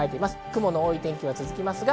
雲の多い天気が続きます。